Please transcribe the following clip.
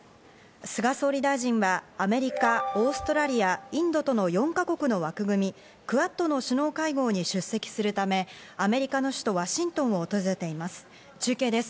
菅総理大臣はアメリカ、オーストラリア、インドとの４か国の枠組み、クアッドの首脳会合に出席するため、アメリカの首都・ワシントンを訪れています。